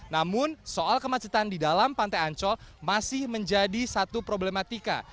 namun soal kemacetan di dalam pantai ancol masih menjadi satu problematika